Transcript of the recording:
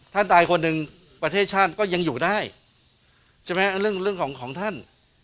ตายคนหนึ่งประเทศชาติก็ยังอยู่ได้ใช่ไหมเรื่องของของท่าน